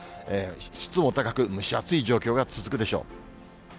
湿度も高く、蒸し暑い状況が続くでしょう。